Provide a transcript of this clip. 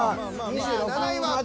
２７位は。